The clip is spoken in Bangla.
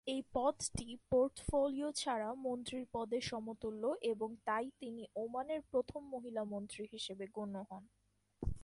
এই পদটি পোর্টফোলিও ছাড়া মন্ত্রীর পদের সমতুল্য এবং তাই তিনি ওমানের প্রথম মহিলা মন্ত্রী হিসাবে গণ্য হন।